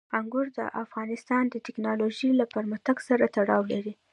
انګور د افغانستان د تکنالوژۍ له پرمختګ سره تړاو لري.